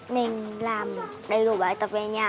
mình làm đầy đủ bài tập về nhà